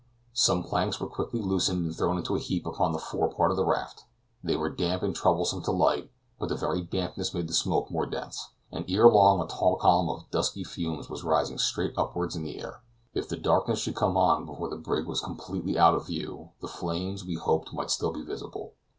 Some planks were quickly loosened and thrown into a heap upon the fore part of the raft. They were damp and troublesome to light; but the very dampness made the smoke more dense, and ere long a tall column of dusky fumes was rising straight upward in the air. If darkness should come on before the brig was completely out of view, the flames, we hoped might still be visible.